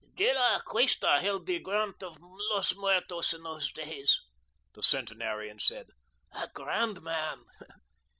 "De La Cuesta held the grant of Los Muertos in those days," the centenarian said; "a grand man.